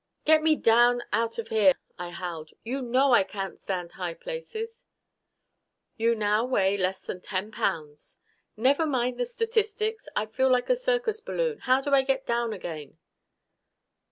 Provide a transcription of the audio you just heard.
"Get me down out of here!" I howled. "You know I can't stand high places!" "You now weigh less than ten pounds " "Never mind the statistics. I feel like a circus balloon. How do I get down again?"